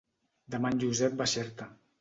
Demà en Josep va a Xerta.